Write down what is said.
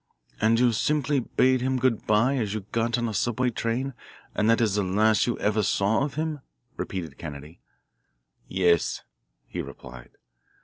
"And you simply bade him good bye as you got on a subway train and that is the last you ever saw of him?" repeated Kennedy. "Yes," he replied.